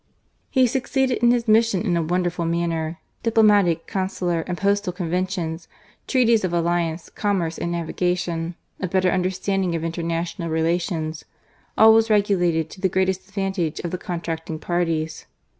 He succeeded in his mission in a wonderful manner. Diplomatic, consular, and postal con ventions; treaties of alliance, commerce, and navigation ; a better understanding of international relations — all was regulated to the greatest ad vantage of the contracting parties.